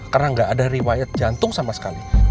karena gak ada riwayat jantung sama sekali